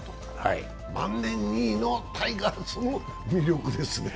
万年２位のタイガースも魅力ですね。